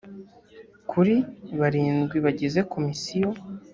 kuri barindwi bagize komisiyo